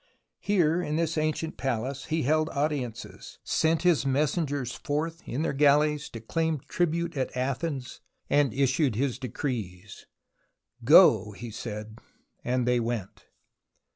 Here in this ancient palace he held audiences, sent his messengers forth in their galleys to claim tribute at Athens, issued his decrees. " Go," he said, and they went.